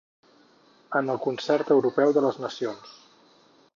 En el concert europeu de les nacions.